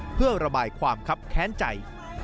เพื่อระบายความคับแค้นใจ